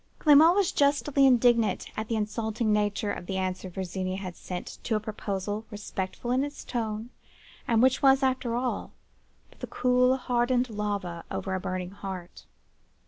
"Clement was justly indignant at the insulting nature of the answer Virginie had sent to a proposal, respectful in its tone, and which was, after all, but the cool, hardened lava over a burning heart.